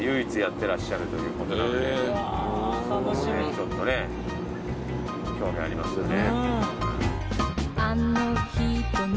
ちょっとね興味ありますよね。